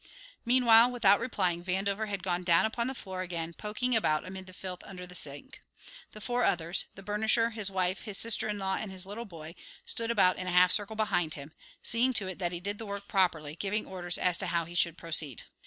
Meanwhile, without replying, Vandover had gone down upon the floor again, poking about amid the filth under the sink. The four others, the burnisher, his wife, his sister in law and his little boy, stood about in a half circle behind him, seeing to it that he did the work properly, giving orders as to how he should proceed.